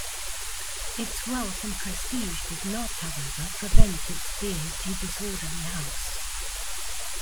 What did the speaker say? Its wealth and prestige did not, however, prevent its being a disorderly house.